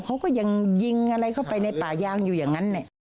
เขาก็ยังยิงอะไรเข้าไปในป่ายางอยู่อย่างนั้น